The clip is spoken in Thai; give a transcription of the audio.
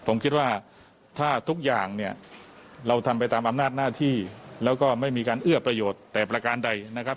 ผมคิดว่าถ้าทุกอย่างเนี่ยเราทำไปตามอำนาจหน้าที่แล้วก็ไม่มีการเอื้อประโยชน์แต่ประการใดนะครับ